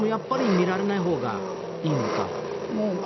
見られないほうがいい。